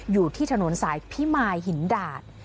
อยู่ที่ถนนสายพิมายหินดาด